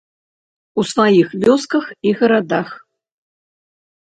У сваіх вёсках і гарадах.